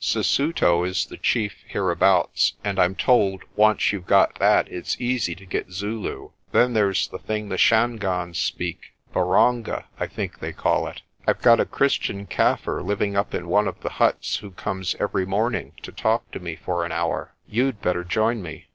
Sesuto is the chief hereabouts, and I'm told once you've got that it's easy to get Zulu. Then there's the thing the Shangaans speak Baronga, I think they call it. I've got a Christian Kaffir living up in one of the huts who comes every morning to talk to me for an hour. You'd better join me."